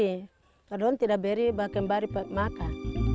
kadang kadang tidak beri bawa kembari makan